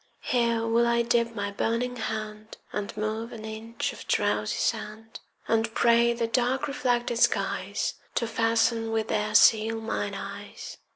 Here will I dip my burning hand And move an inch of drowsy sand, And pray the dark reflected skies To fasten with their seal mine eyes.